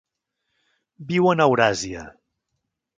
Viuen a Euràsia.